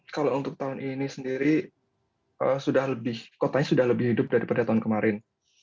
kalau untuk tahun ini sendiri kotanya sudah lebih hidup daripada tahun kemarin